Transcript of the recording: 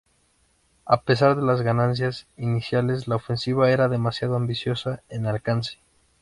A pesar de las ganancias iniciales, la ofensiva era demasiado ambiciosa en alcance.